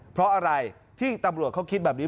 เพราะอะไรที่ตำรวจเขาคิดแบบนี้